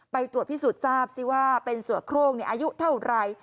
ไปตรวจพิสูจน์ทราบสิว่าเป็นเสือโครงอายุเท่าไร